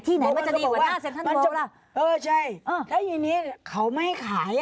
ที่ไหนมันจะดีกว่าท่านท่านบอกล่ะเออใช่เออแล้วอย่างงี้เขาไม่ขายอ่ะ